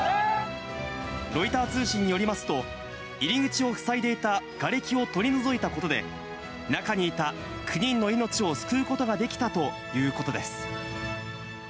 ロイター通信によりますと、入り口を塞いでいたがれきを取り除いたことで、中にいた９人の命を救うことができたということです。